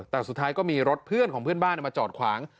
แต่สุดท้ายก็มีรถเพื่อนของเพื่อนบ้านมาจอดขวาง